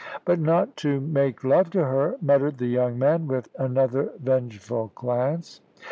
"But not to make love to her," muttered the young man, with another vengeful glance.